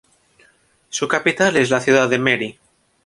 Su capital es la ciudad de Mary.